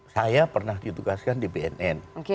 saya pernah ditugaskan di bnn